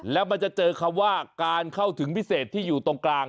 แล้วมันจะเจอคำว่าการเข้าถึงพิเศษที่อยู่ตรงกลาง